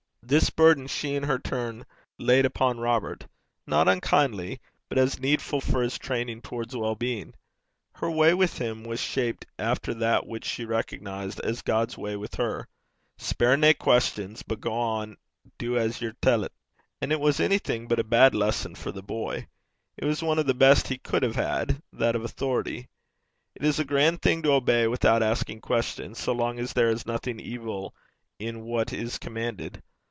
This burden she in her turn laid upon Robert not unkindly, but as needful for his training towards well being. Her way with him was shaped after that which she recognized as God's way with her. 'Speir nae questons, but gang an' du as ye're tellt.' And it was anything but a bad lesson for the boy. It was one of the best he could have had that of authority. It is a grand thing to obey without asking questions, so long as there is nothing evil in what is commanded.